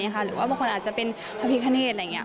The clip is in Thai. หรือว่าบางคนอาจจะเป็นพระพิคเนตอะไรอย่างนี้